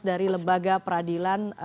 dari lembaga peradilan